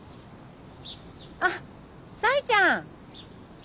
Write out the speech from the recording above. あっさいちゃん。